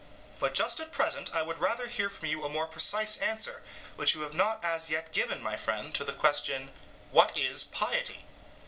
But just at present I would rather hear from you a more precise answer, which you have not as yet given, my friend, to the question, What is 'piety'?